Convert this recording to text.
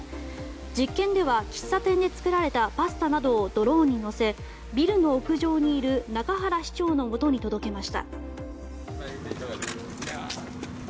実験では、喫茶店で作られたパスタなどをドローンに載せビルの屋上にいる中原市長のもとに届けました。